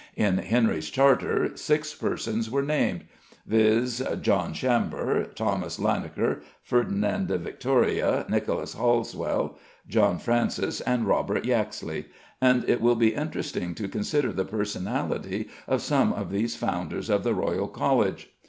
In Henry's charter six persons were named viz., John Chambre, Thomas Linacre, Ferdinand de Victoria, Nicholas Halsewell, John Francis, and Robert Yaxley, and it will be interesting to consider the personality of some of these founders of the Royal College.